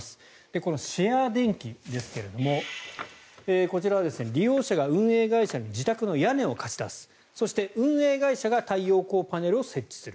このシェアでんきですけれどもこちらは利用者が運営会社に自宅の屋根を貸し出すそして運営会社が太陽光パネルを設置する。